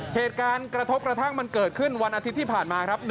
เหตุการณ์กระทบกระทั่งมันเกิดขึ้นวันอาทิตย์ที่ผ่านมาครับ